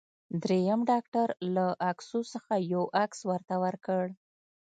دریم ډاکټر له عکسو څخه یو عکس ورته ورکړ.